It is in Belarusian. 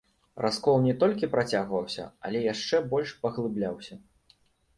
Раскол не толькі працягваўся, але яшчэ больш паглыбляўся.